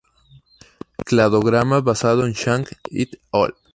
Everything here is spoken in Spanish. Cladograma basado en Zhang "et al.